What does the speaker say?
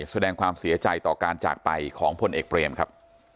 แสดงความเสียใจต่อการจากไปของพลเอกเปรมครับ